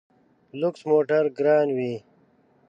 لوکس موټر ګران وي.